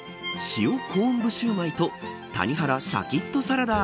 塩コーンぶシューマイと谷原シャキッとサラダ。